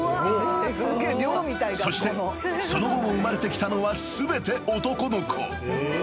［そしてその後も生まれてきたのは全て男の子］